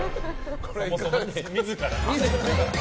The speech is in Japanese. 自ら。